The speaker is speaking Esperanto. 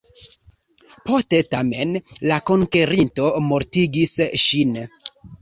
Poste tamen, la konkerinto mortigis ŝin.